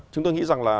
chúng tôi nghĩ rằng là